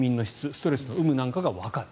ストレスの有無なんかがわかる。